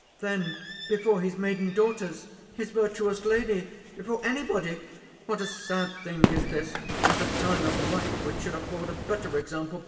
Then before his maiden daughters! his virtuous lady! before any body! What a sad thing is this, at a time of life, which should afford a better example!